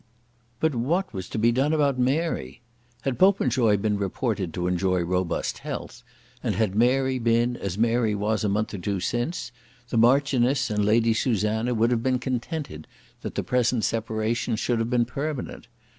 But what was to be done about Mary? Had Popenjoy been reported to enjoy robust health, and had Mary been as Mary was a month or two since, the Marchioness and Lady Susanna would have been contented that the present separation should have been permanent.